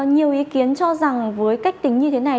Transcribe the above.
nhiều ý kiến cho rằng với cách tính như thế này